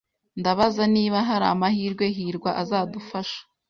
Ndabaza niba hari amahirwe hirwa azadufasha.